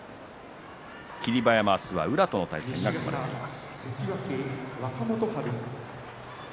霧馬山は明日は宇良との対戦が組まれています。